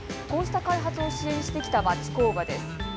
こうした開発を支援してきた町工場です。